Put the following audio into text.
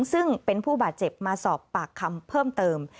ซึ่งเป็นผู้บาดเจ็บมาสอบปากคำเพิ่มเติม